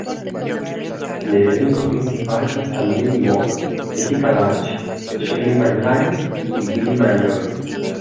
En el elenco principal están Demi Moore, Jessica Lange, Shirley MacLaine y Billy Connolly.